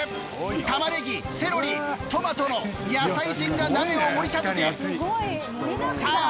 玉ねぎセロリトマトの野菜陣が鍋をもり立ててさあ